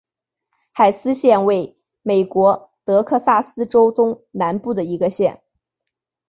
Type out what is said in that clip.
海斯县位美国德克萨斯州中南部的一个县。